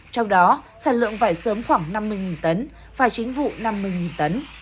trong đó sản lượng vải sớm khoảng năm mươi tấn vải chính vụ năm mươi tấn